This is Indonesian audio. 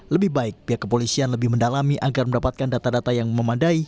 lebih baik pihak kepolisian lebih mendalami agar mendapatkan data data yang memadai